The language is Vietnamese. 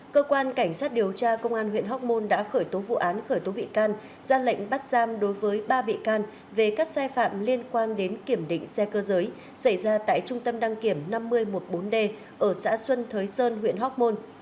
cơ quan cảnh sát điều tra công an huyện hóc môn đã khởi tố vụ án khởi tố bị can ra lệnh bắt giam đối với ba bị can về các sai phạm liên quan đến kiểm định xe cơ giới xảy ra tại trung tâm đăng kiểm năm nghìn một mươi bốn d ở xã xuân thới sơn huyện hóc môn